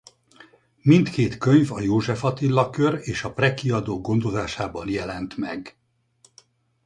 Mindkét könyv a József Attila Kör és a Prae Kiadó gondozásában jelent meg.